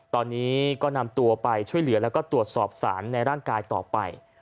ตอนนี้ก็นำตัวไปช่วยเหลือแล้วก็ตรวจสอบสารในร่างกายต่อไป